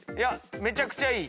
めちゃくちゃいい。